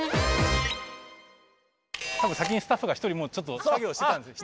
多分先にスタッフが１人ちょっと作業してたんです。